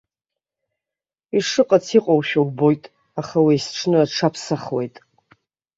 Ишыҟац иҟоушәа убоит, аха уи есҽны аҽаԥсахуеит.